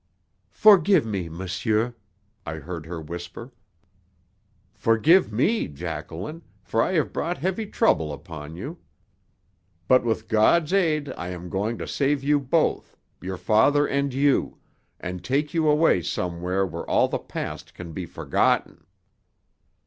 "Forgive me, monsieur," I heard her whisper. "Forgive me, Jacqueline, for I have brought heavy trouble upon you. But with God's aid I am going to save you both your father and you and take you away somewhere where all the past can be forgotten."